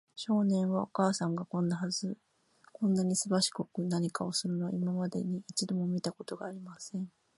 少年は、お母さんがこんなにすばしこく何かするのを、今までに一度も見たことがありません。